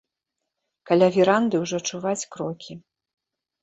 Каля веранды ўжо чуваць крокі.